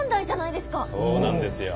そうなんですよ。